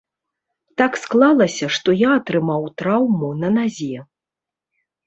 Так склалася, што я атрымаў траўму на назе.